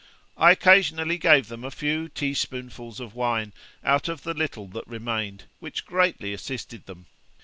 I occasionally gave them a few teaspoonfuls of wine, out of the little that remained, which greatly assisted them.